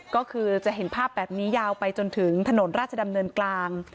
ก็คือจะเห็นภาพแบบนี้ยาวไปจนถึงถนนราชดำเนินกลาง